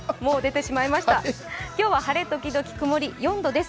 今日は晴れ時々曇り４度です。